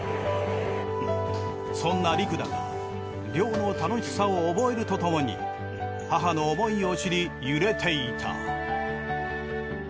そんな陸だが漁の楽しさを覚えるとともに母の思いを知り揺れていた。